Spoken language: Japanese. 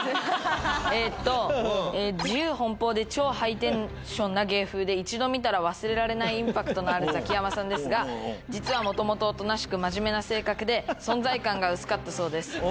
えっと自由奔放で超ハイテンションな芸風で一度見たら忘れられないインパクトのあるザキヤマさんですが実はもともとおとなしく真面目な性格で存在感が薄かったそうです。